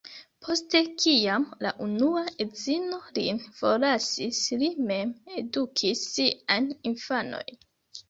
Post kiam la unua edzino lin forlasis li mem edukis siajn infanojn.